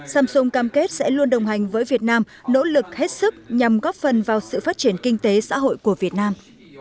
samsung cam kết sẽ luôn đồng hành với việt nam nỗ lực hết sức nhằm góp phần vào sự phát triển kinh tế xã hội của việt nam